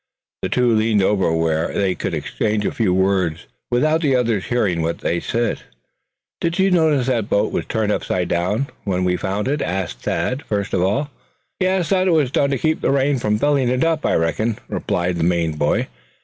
The two leaned over where they could exchange a few words without the others hearing what was said. "Did you notice that the boat was turned upside down when found?" asked Thad, first of all. "Yes, that was done to keep the rain from filling it, I reckoned," replied the Maine boy.